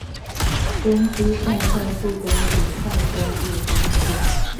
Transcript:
東西向快速公路快官霧峰線